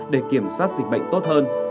để kiểm soát dịch bệnh tốt hơn